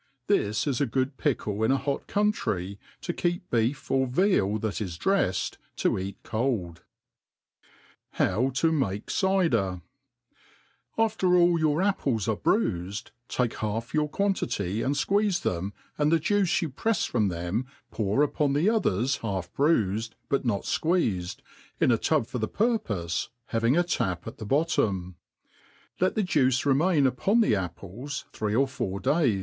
This is good pickle in a hot country, to keep beef pf veal that is dreiled.^ to eat cold. / 380 APPBNDIX.TO THE ARfF OF COOKERY. AFTER all your apples arebruifed, takehalf of your quan tity apd fquec^CJ^bcm, and. tbc juke you pre(s fron them pour vpoo the^.oihers half bruifed, but not fqueezed. In a tub for the purpofcy having a tap at the bottom ;Jet the juice remain upon the apples three or four day.